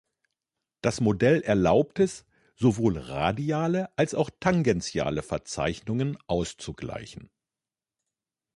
Das Modell erlaubt es, sowohl radiale als auch tangentiale Verzeichnungen auszugleichen.